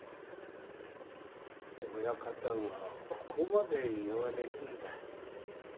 親方がここまで言われるんだ。